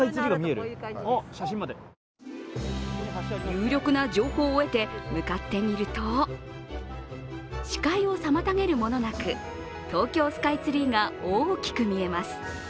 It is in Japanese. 有力な情報を得て、向かってみると視界を妨げるものなく、東京スカイツリーが大きく見えます。